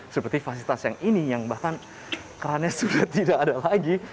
seperti fasilitas yang ini yang bahkan kerannya sudah tidak ada lagi